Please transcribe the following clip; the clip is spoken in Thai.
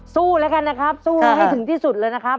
สู้แล้วกันนะครับสู้ให้ถึงที่สุดเลยนะครับ